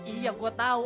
iya gue tahu